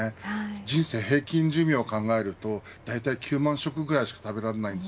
人生平均寿命を考えるとだいたい９万食ぐらいしか食べられません。